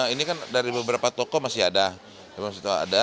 ini kan dari beberapa toko masih ada